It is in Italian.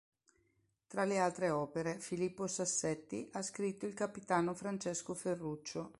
Tra le altre opere Filippo Sassetti ha scritto Il Capitano Francesco Ferruccio.